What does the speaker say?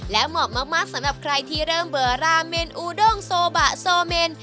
และเหมาะมากสำหรับใครที่เริ่มเบอร์ราเมนอูด้งโซบะโซเมน